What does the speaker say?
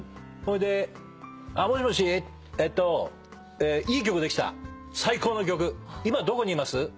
それで「もしもしいい曲できた最高の曲」「今どこにいます？